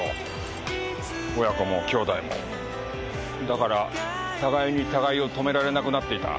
だから互いに互いを止められなくなっていた。